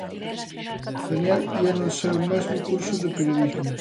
Daniel ía no seu mesmo curso de periodismo.